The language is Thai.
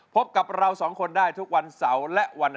พบกับเราสองคนได้ทุกวันเสาร์และวัน